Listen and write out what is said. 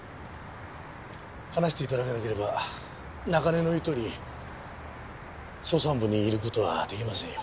話して頂かなければ中根の言うとおり捜査本部にいる事は出来ませんよ。